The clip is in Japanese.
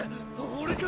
俺か！？